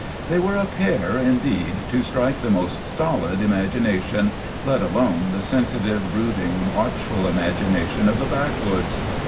They were a pair, indeed, to strike the most stolid imagination, let alone the sensitive, brooding, watchful imagination of the backwoods.